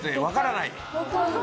分からない？